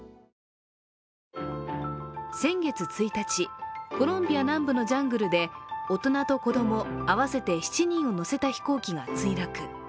先月１日、コロンビア南部のジャングルで大人と子供合わせて７人を乗せた飛行機が墜落。